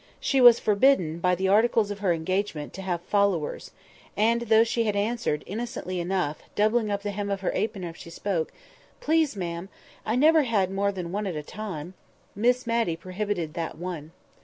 She was forbidden, by the articles of her engagement, to have "followers"; and though she had answered, innocently enough, doubling up the hem of her apron as she spoke, "Please, ma'am, I never had more than one at a time," Miss Matty prohibited that one.